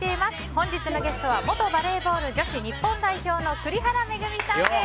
本日のゲストは元バレーボール女子日本代表の栗原恵さんです。